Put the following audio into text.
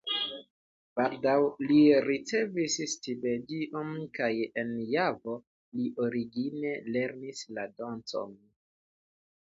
Baldaŭ li ricevis stipendion kaj en Javo li origine lernis la dancon.